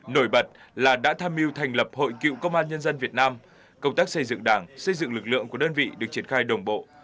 nổi bật là đã tham mưu thành lập hội cựu công an nhân dân việt nam công tác xây dựng đảng xây dựng lực lượng của đơn vị được triển khai đồng bộ